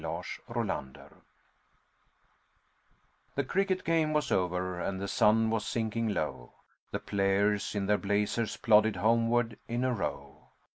CRICKET AND BASEBALL The cricket game was over and the sun was sinking low, The players in their blazers plodded homeward in a row.